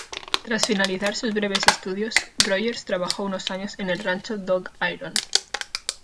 Tras finalizar sus breves estudios, Rogers trabajó unos años en el Rancho Dog Iron.